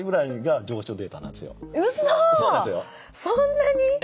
そんなに？